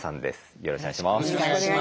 よろしくお願いします。